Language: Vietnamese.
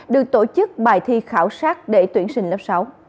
được tổ chức bài thi khảo sát để tuyển sinh lớp sáu